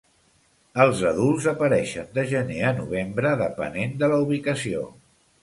Els adults apareixen de gener a novembre, depenent de la ubicació.